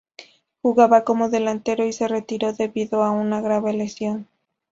Jugaba como delantero y se retiró debido a una grave lesión.